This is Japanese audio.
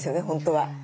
本当は。